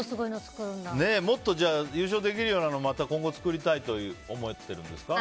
もっと、優勝できるようなの今後作りたいと思ってるんですか。